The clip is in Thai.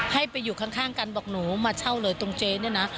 ให้ไปอยู่ข้างกันบอกหนูมาเช่าเลยตรงเจ๊เนี่ยนะ